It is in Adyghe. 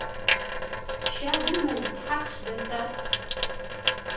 Щагум мэл тхьапш дэта?